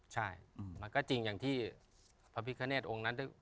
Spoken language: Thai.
ใช่มันก็จริงอย่างที่พระพิคเนตองค์นั้น